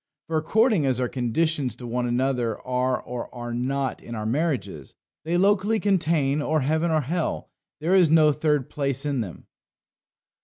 For, according as our conditions to one another are or are not in our marriages, "They locally contain or heaven or hell; There is no third place in them."